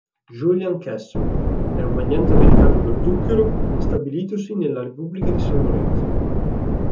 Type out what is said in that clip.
Julian Castle: è un magnate americano dello zucchero stabilitosi nella Repubblica di San Lorenzo.